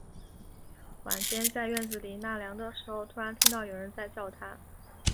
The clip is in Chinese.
晚间，在院子里纳凉的时候，突然听到有人在叫他